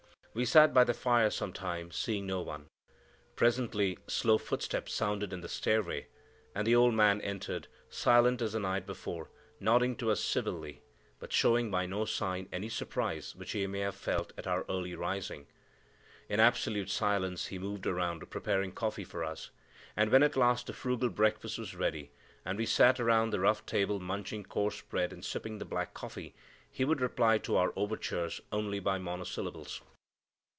We sat by the fire some time, seeing no one. Presently slow footsteps sounded in the stairway, and the old man entered, silent as the night before, nodding to us civilly, but showing by no sign any surprise which he may have felt at our early rising. In absolute silence he moved around, preparing coffee for us; and when at last the frugal breakfast was ready, and we sat around the rough table munching coarse bread and sipping the black coffee, he would reply to our overtures only by monosyllables.